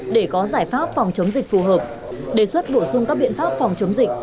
để có giải pháp phòng chống dịch phù hợp đề xuất bổ sung các biện pháp phòng chống dịch